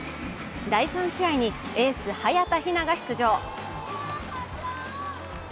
第３試合にエース・早田ひなが出場。